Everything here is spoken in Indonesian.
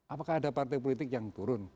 apakah ada partai politik yang turun